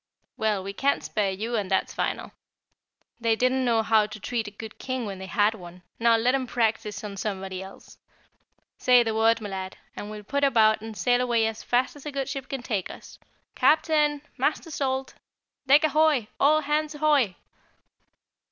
Well, we can't spare you and that's final. They didn't know how to treat a good King when they had one, now let 'em practice on somebody else. Say the word, m'lad, and we'll put about and sail away as fast as a good ship can take us! CAPTAIN! Master Salt! Deck ahoy! All hands 'HOY!"